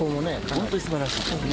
本当にすばらしいですね。